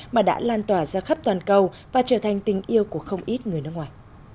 mà đã lan tỏa ra khắp toàn cầu và trở thành tình yêu của không ít người nước ngoài